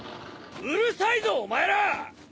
うるさいぞお前ら！